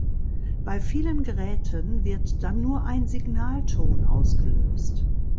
Bei vielen Geräten wird dann nur ein Signalton ausgelöst.